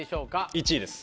１位です。